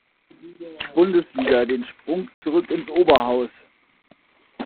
Bundesliga den Sprung zurück ins Oberhaus.